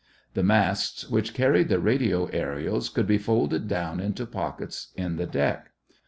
The masts which carried the radio aërials could be folded down into pockets in the deck.